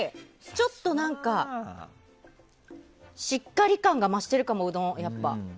ちょっと何かしっかり感が増してるかも、うどん。